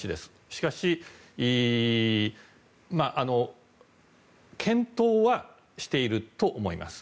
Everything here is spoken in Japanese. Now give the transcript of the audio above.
しかし検討はしていると思います。